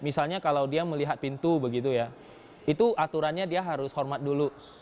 misalnya kalau dia melihat pintu begitu ya itu aturannya dia harus hormat dulu